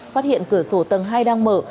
phát hiện cửa sổ tầng hai đang mở